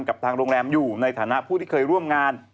กับทางโรงแรมอยู่ในฐานะผู้ที่เคยร่วมงาน